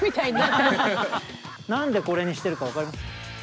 何でこれにしてるか分かります？